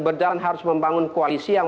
berjalan harus membangun koalisi yang